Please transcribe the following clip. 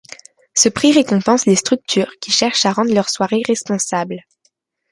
Ce prix récompense les structures qui cherchent à rendre leurs soirées responsables.